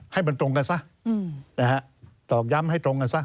ให้มันตรงกันซะนะฮะตอกย้ำให้ตรงกันซะ